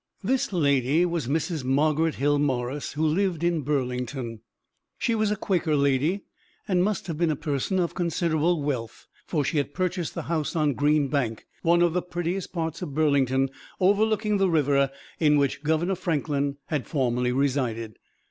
This lady was Mrs. Margaret Hill Morris, who lived in Burlington. She was a Quaker lady, and must have been a person of considerable wealth; for she had purchased the house on Green Bank, one of the prettiest parts of Burlington, overlooking the river, in which Governor Franklin had formerly resided.